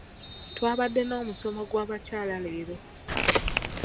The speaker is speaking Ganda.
twabadde n'omusomo gw'abakyala leero